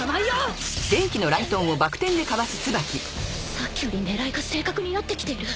さっきより狙いが正確になってきている。